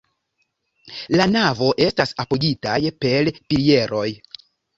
La navo estas apogitaj per pilieroj.